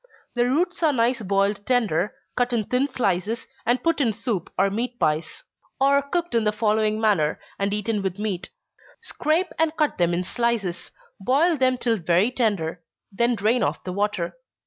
The roots are nice boiled tender, cut in thin slices, and put in soup or meat pies; or cooked in the following manner, and eaten with meat. Scrape and cut them in slices. Boil them till very tender then drain off the water.